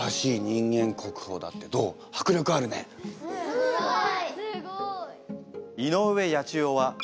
すごい。